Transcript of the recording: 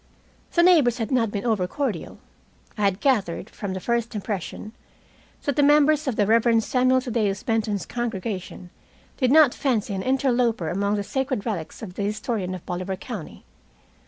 The neighbors had not been over cordial. I had gathered, from the first, the impression that the members of the Reverend Samuel Thaddeus Benton's congregation did not fancy an interloper among the sacred relics of the historian of Bolivar County.